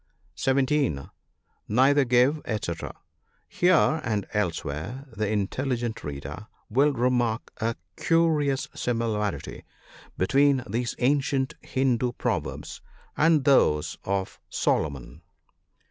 (17.) Neither give, &c. — Here, and elsewhere, the intelligent reader will remark a curious similarity between these ancient Hindoo pro verbs and those of Solomon.